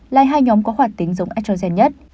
lại hai nhóm có hoạt tính giống estrogen nhất